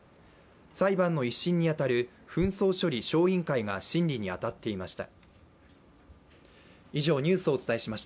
裁判の一審に当たる紛争処理小委員会が審理に当たっていました。